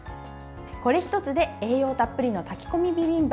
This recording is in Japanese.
これ１つで栄養たっぷりの炊き込みビビンバ